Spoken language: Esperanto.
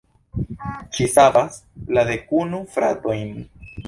Ŝi savas la dekunu fratojn.